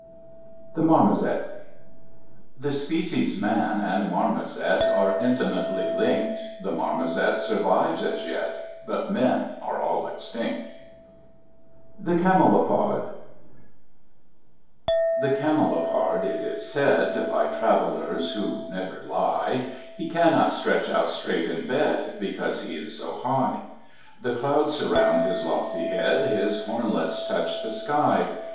The Marmozet The species Man and Marmozet Are intimately linked; The Marmozet survives as yet, But Men are all extinct. The Camelopard The Camelopard, it is said By travellers (who never lie), He cannot stretch out straight in bed Because he is so high. The clouds surround his lofty head, His hornlets touch the sky.